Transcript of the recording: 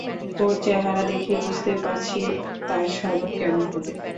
ওর চেহারা দেখেই বুঝতে পারছি তার স্বভাব কেমন হবে।